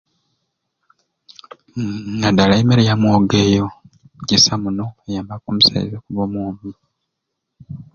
Umm naddala emmere ya mwogo eyo kisa muno eyambaku omusaiza okuba omwomi